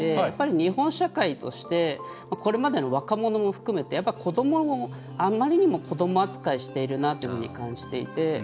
やっぱり日本社会としてこれまでの若者も含めて子どもをあんまりにも子ども扱いしているなというふうに感じていて。